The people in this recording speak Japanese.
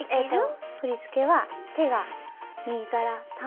振り付けは手が右から。